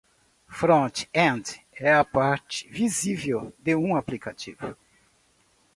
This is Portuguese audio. Front-end é a parte visível de um aplicativo.